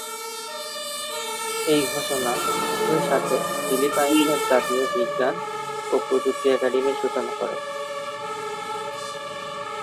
এই ঘোষণা একই সাথে ফিলিপাইনের জাতীয় বিজ্ঞান ও প্রযুক্তি একাডেমির সূচনা করে।